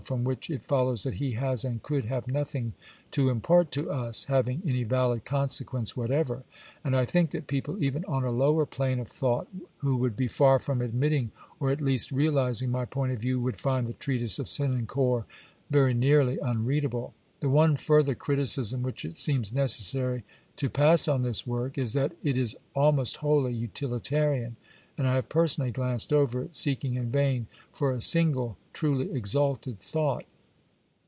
from which it follows that he has and could have nothing to impart to us, having any valid consequence whatever; and I think that people even on a lower plane of thought, who would be far from admitting or at least realising my point of view, would find the treatise of Senancour very nearly unreadable. The one further criticism which it seems necessary to pass on this work, is that it is almost wholly utilitarian, and I have personally glanced over it, seeking in vain for a single truly exalted thought.